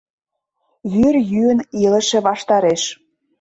Вӱр йӱын илыше ваштареш...